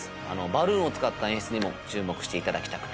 バルーンを使った演出にも注目していただきたくて。